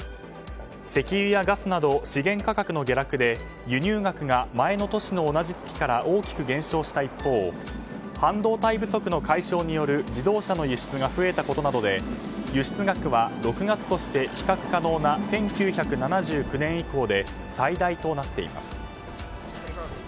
石油やガスなど資源価格の下落で輸入額が前の年の同じ月から大きく減少した一方半導体不足の解消による自動車の輸出が増えたことなどで輸出額は、６月として比較可能な１９７９年以降で最大となっています。